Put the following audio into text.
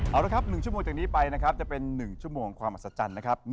เอาละครับ๑ชั่วโมงจากนี้ไปนะครับจะเป็น๑ชั่วโมงความอัศจรรย์นะครับ